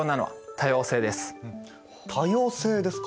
多様性ですか。